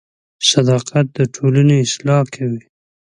• صداقت د ټولنې اصلاح کوي.